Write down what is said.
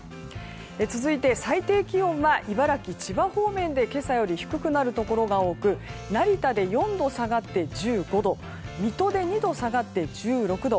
続いて、最低気温は茨城、千葉方面で今朝より低くなるところが多く成田で４度下がって１５度水戸で２度下がって１６度。